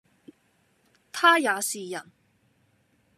他也是人，